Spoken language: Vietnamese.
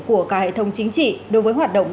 của cả hệ thống chính trị đối với hoạt động